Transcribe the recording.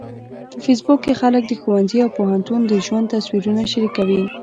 په فېسبوک کې خلک د ښوونځي او پوهنتون د ژوند تصویرونه شریکوي